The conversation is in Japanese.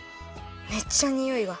めっちゃにおいが！